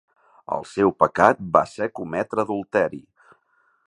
El seu pecat va ser cometre adulteri.